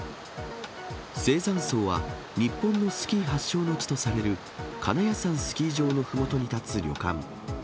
晴山荘は日本のスキー発祥の地とされる金谷山スキー場のふもとに建つ旅館。